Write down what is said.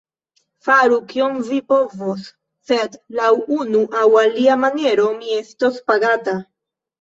Faru, kion vi povos; sed, laŭ unu aŭ alia maniero, mi estos pagata.